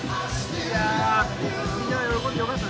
いや、みんなが喜んでよかった。